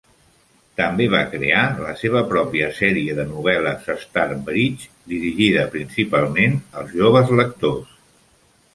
També va crear la seva pròpia sèrie de novel·les Starbridge, dirigida principalment als joves lectors.